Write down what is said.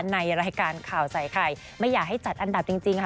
ในรายการข่าวใส่ไข่ไม่อยากให้จัดอันดับจริงค่ะ